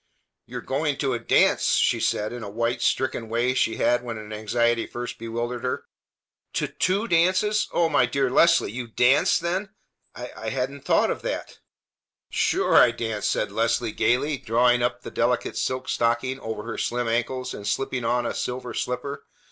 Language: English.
"You are going to a dance!" she said in a white, stricken way she had when an anxiety first bewildered her. "To two dances! O my dear Leslie! You dance, then? I hadn't thought of that!" "Sure I dance!" said Leslie gayly, drawing up the delicate silk stocking over her slim ankles and slipping on a silver slipper.